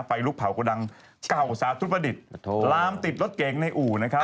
ลุกเผากระดังเก่าสาธุประดิษฐ์ลามติดรถเก๋งในอู่นะครับ